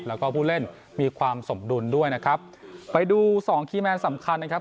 แล้วก็ผู้เล่นมีความสมดุลด้วยนะครับไปดูสองคีย์แมนสำคัญนะครับ